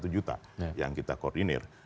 satu juta yang kita koordinir